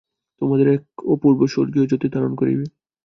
তোমাদের মুখ এক অপূর্ব স্বর্গীয় জ্যোতি ধারণ করিবে।